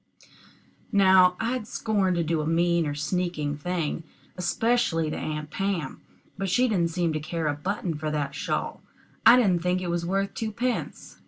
Now I'd scorn to do a mean or sneaking thing, especially to Aunt Pam, but she didn't seem to care a button for that shawl. I didn't think it was worth twopence.